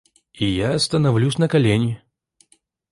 И я становлюсь на колени.